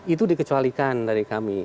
itu dikecualikan dari kami